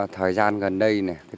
thời gian gần đây này